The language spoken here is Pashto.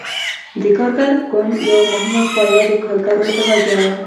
د کارګر ګوند یوه مهمه پایه د کارګرو اتحادیه وه.